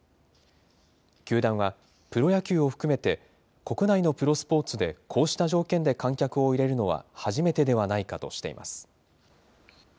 球団は、プロ野球を含めて、国内のプロスポーツでこうした条件で観客を入れるのは初めてではないかとしています。